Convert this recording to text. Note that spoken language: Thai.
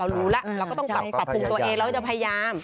เรารู้แล้วเราก็ต้องปรับภูมิตัวเองเราจะพยายาม